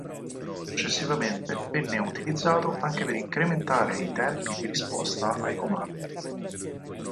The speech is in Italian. Successivamente venne utilizzato anche per incrementare i tempi di risposta ai comandi.